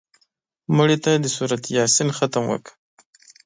مړه ته د سورت یاسین ختم وکړه